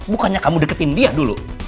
bukannya kamu deketin dia dulu